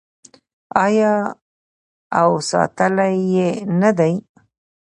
آیا او ساتلی یې نه دی؟